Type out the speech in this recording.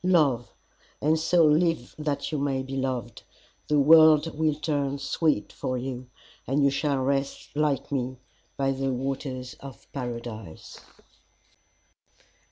Love, and so live that you may be loved the world will turn sweet for you, and you shall rest like me by the Waters of Paradise.